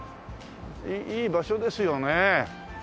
いい場所ですよねえ。